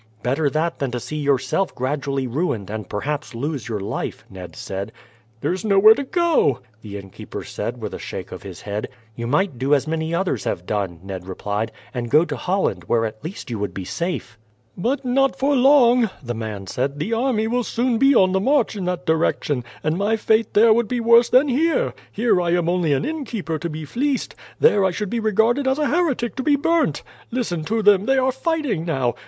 "Better that than to see yourself gradually ruined, and perhaps lose your life," Ned said. "There is nowhere to go to," the innkeeper said with a shake of his head. "You might do as many others have done," Ned replied, "and go to Holland, where at least you would be safe." "But not for long," the man said. "The army will soon be on the march in that direction, and my fate there would be worse than here. Here I am only an innkeeper to be fleeced; there I should be regarded as a heretic to be burnt. Listen to them. They are fighting now.